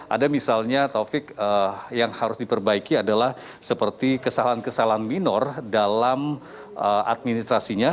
ada misalnya taufik yang harus diperbaiki adalah seperti kesalahan kesalahan minor dalam administrasinya